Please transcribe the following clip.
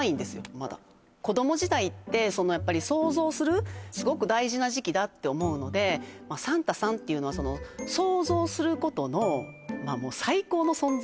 まだ子ども時代ってそのやっぱり想像するすごく大事な時期だって思うのでサンタさんっていうのはその想像することの最高の存在